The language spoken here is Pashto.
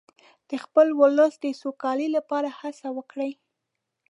د خپل ولس د سوکالۍ لپاره هڅه وکړئ.